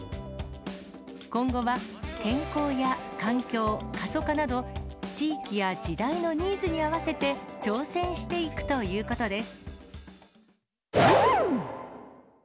今後は健康や環境、過疎化など、地域や時代のニーズに合わせて挑戦していくということです。